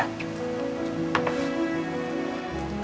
kamar mandi disana ya